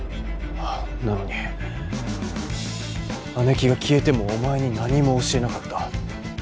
なのに姉貴が消えてもおまえに何も教えなかった。